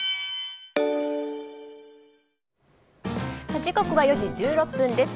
時刻は４時１６分です。